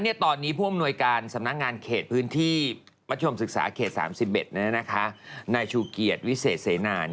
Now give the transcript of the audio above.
และตอนนี้ผู้อำนวยการสำนักงานเขตพื้นที่ประชวนศึกษาเขต๓๑ในชูเกียรติวิเศษเซนา